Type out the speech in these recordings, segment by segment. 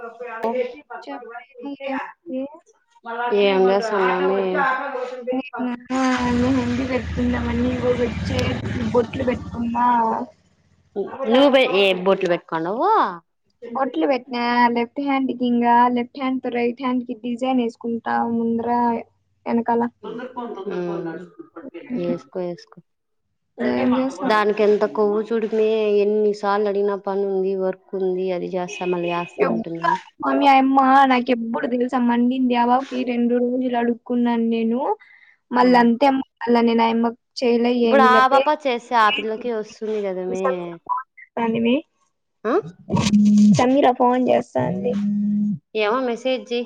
పంపియడానికి ఏడికి పంపడు అని చెప్పేది చెప్పినగా ఏముంది వాడు ఏమొద్దు కానీ చాల అని పెట్తుందాంమని ఇ రోజ వచ్చే ఈ బొట్లు పెట్టుకుమా నువె ఏం బోట్లు పెట్టుకున్నవు బొట్లు పెట్నా అ ఫ్ట్ హ్యాండ్ కి ఇంగ లెఫ్ట్ హ్యాండ్ తో రైట్ హ్యాండ్ కి డిజైన్ వేసుకుంటా ముందర వెనకాల వేసుకో వేసుకో ఏం చేస్తున్నా దానికి ఎంత కొవ్వుచు చుడమే ఎన్ని సార్లు అడిగినా పని ఉంది వర్క్ ఉంది అది జాస్త ఎప్పుడా మమ్మీ అమ్మా నాకు ఎప్పుడు ది మండింది ఆ వాపుకి రెండు రోజులు అడుగుకున్నాను నేను మళ్ళ అంతే అలా నేను ఆయమ్మగ్ చెయలే ఇప్పుడు ఏమి ఆ లేప్తే పాప చేస్తే ఆ ఈ పిల్లకి వస్తుంది కదమే అనిమి ఆ తమ్మి రఫ్ ఫోన్ చేస్తాండి ఏమ మెసి టీజీ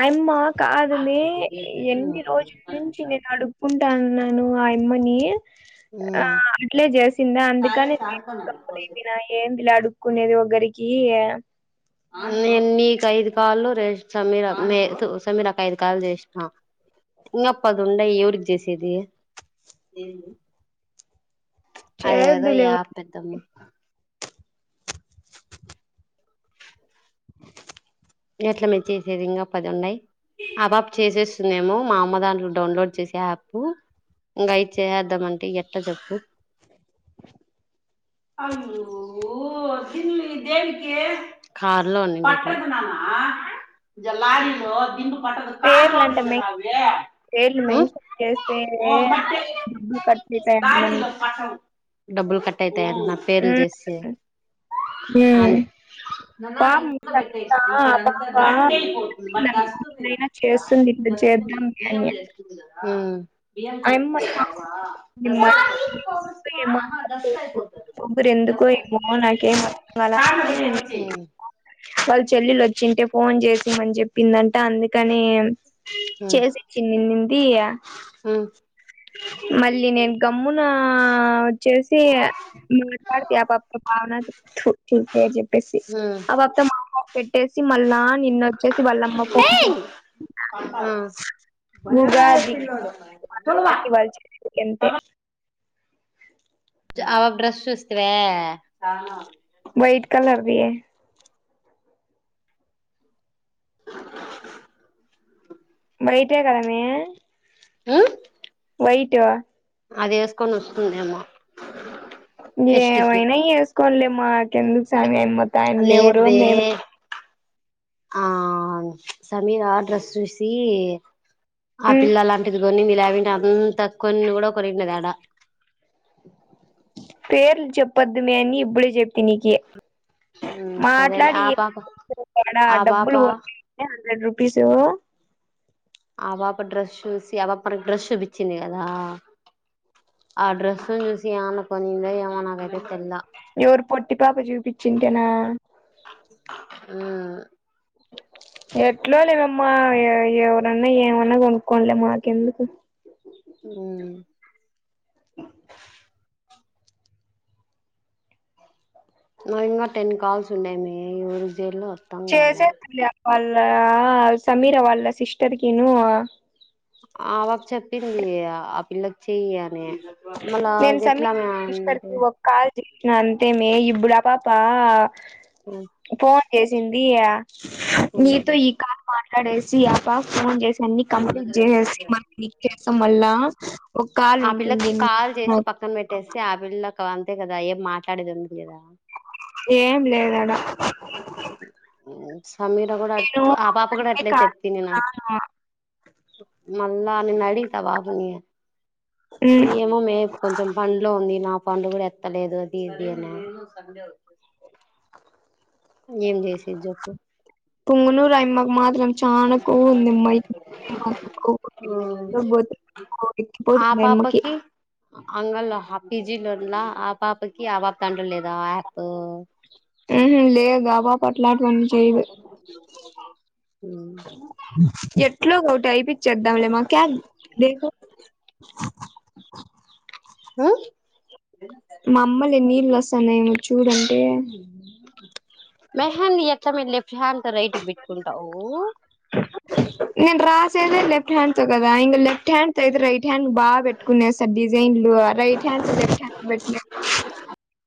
ఆయన మా కాదుమే ఎన్ని రోజుల నుంచి నేను అడుపు కుంటాను నను ఆ అమ్మని ఆ అట్లే చేసిందా అందుకని ఉమ్ నేన ఏంది లే అడుగు కునేది ఒకక్కరికి నేను నీకు ఐదు కాళ్లు ర సమీర సమీరాకు ఐదు కాళ్లు చేసినా ఇంప్ప అద ఉం ఎవరుకి చేసేది అదేదో చేద్దులే ఏ పెద్దము అ ఎట్లామ్మేరు చేసేది ఇంకా పది ఉన్నాయి. అ బాప్ చేసేస్తుందేమో, మా అమ్మ దాంట్లొ డౌన్లోడ్ చేసే యాపు ఇంగైద్ చేయద్దామంటే, ఎట్లా చెప్పు అవును దిన్నీ దేనికి పట్టదునాన్న. ఆ జెల్లార్లో హిందు మాత్తకు కార్ లోట్ పేర్లంట మెన్ ఉంజన్నావు. ఏ పేర్లు మెన్షన్ చేస్తే డబ్బులు ఖర్చు చేత్తాయన్న మను బాటిలో రు. పేర్ల్ జేస్సే ఉమ్ అన్ బా నన్న పాపం ఇంత బట్టే సంగీత ఆ ఇక్కడ అంతా పాప [unintelligible] మాడస్సు మీంద అయినా ప్చ్ ఆమ్ చేస్తుంది ఇట్లా డస్టుంది. చేద్దాంలే బియ్యం అని చేస్తుంది. కదా బియ్యం చెరుగ్ అయమ్మ తున్నావా ఇది మనీ [unintelligible] ఏమో ఆహా డస్ట్అయిపోతుంది. పొగురు ఎందుకో డస్ట్ ఏమో అయిపోతుంది. నాకేం అర్థం కాల అందుకని నేను వాళ్ళ [unintelligible] చెల్లెలు వచ్చింటే ఫోన్ జేసిమ్మని చెప్పిందంట అందుకనే ఎమ్ చేసి ఇచ్చింనిమ్ దీయా ఆ మళ్ళీ నేను గమ్మునా చ్చేసిగా మీట్లాడితేయి, ఆపాపక్ భావనద్ హ్మ్ పూర్త్ పేరు చెప్పేసి ఆ ఒక్క మా చ్చేసి మళ్ళా నిన్న వచ్చేసి, వాళ్ళమ్మ [unintelligible] ఆ భలే ఉగాది పిల్లోడు తొలవా కావట్టి వాల్ చేతిది. తింటే అంతే ప్చ్ ఆవ్వా [unintelligible] చూస్తివా బ్రైట్ కలర్ వి బయటే కదా మే ఆ వైట్ ఆ అదె వేసుకొని వస్తుందేమో ఫెస్ట్ కి ఇంగేవైనా ఈస్కోన్లే మాకెందుకు సామి అయమ్మ త్ ఇంకా ఆయమ్మి ఎవరో, లేదువే మేము ఎవరో ఆ ప్చ్ సమీర్ ఆ డ్రస్ చూసి ఆ ఉమ్ పిల్లా అలాంటిది. కొన్ని ఇలావింట అంతక్ కొన్ని, కూడా ఒక్కరు ఇంట్లోకితాడా పేర్లు చెప్పద్దుమే అని ఇప్పుడే చెప్తి నీకి సరేలే మాట్లాడి ఆ ఇ పాప నా ఆ పాప డబ్బులు హండ్రెడ్ రూ తీసుకపోవా ఆ బాప డ్రెస్ చూసి ఆ బాప మనకి డ్రస్ చూపించింది కదా ఆ డ్రెస్ చూసిమను కొనిందో ఏమో నాగ్గకి తెల్దా ఎవరు పొట్టి పాప చూపించింటేనా ఆ ఎట్లా లేవమ్మా ఎవరన్నా ఏమన్నా కొనుక్కోనలే మాకెందుకు అ నా ఇంకా టెన్ కాల్స్ ఉన్నాయి మీ ఈ ఊరు జేల్లో చేసే వాళ్ళ సమీరా వాళ్ళ సిస్టర్కిను ఆవాకు చెప్పింది ఆ పిల్లకి చెయ్యి అని మళ ఎట్లా మే అంటే అంతే మ ఇబడా పాప అ ఏసింది ఆ నీ తో ఈ కాల్ మ అడేసి ఆపా ఫోన్ జెసి అన్ని కంప్లీట్ చేసేసి మ క్లిక్ చేసం మల్లా ఒక కాల్ ఆ పిల్లకి ఉంటుంది కాల్ చేసి పక్కన పెట్టేసి ఆ పిల్లా అ అంతే కదా ఏం మాట్లాడేదంది ఏం లేదడా ఆ సమీరా కూడా నేను తు ఆ పాప గుడా అదే అట్లే కాల్ చెపింది నాకు గా నిన్న అడిగితి ఆ పాపని మ్ ఏమో మే కొంచెం పంన్లో ఉంది నా పండు కూడా ఎత్తలేదు దీది అనే ఏం జేసేది చెప్పు పుంగనూరు అయ్యమ్మకు మా అయ్యమ్మకు చానా కొవ్వు ఉంది అమ్మాయ్ చెప్పు ఆ పాపకి అంగల్లో పీజీ చదవ్లా ఆ పాపకి ఆ పాప దాంట్లో లేదా ఆ యాప్ లేదా పట్లాట్ బనిచయి ఇట్లు ఓటై చదవలేమా క్యా దేకో హ మమ్మల్లు నీళ్లు వసన్నా ఏమో చూడంటే మహీ [unintelligible] ాంత రైటికి బట్కుంటావఊ నేన్ రాసాను లేఫ్ట్ హ్యాండ్తో కదా ఇగా లెఫ్ట్ హ్యాండ్తో ఇగా రైట్ రైట్ హ్యాండ్ బాగా పెట్టుకునే సార్ డిజైన్లు రైట్ హ్యాండ్ లెఫ్ట్ హండ్ పె